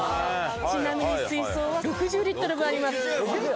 ちなみに水槽は６０リットル分あります。